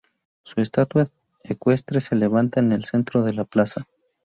Su estatua ecuestre se levanta en el centro de la plaza.